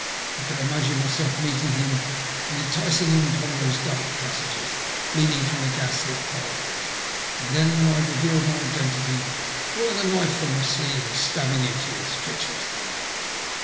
I would imagine myself meet ing him and enticing him into one of those dark passages leading from the gas lit thoroughfare, and then, when I had revealed my identity, drawing a knife from my sleeve and stabbing him to his treacherous heart.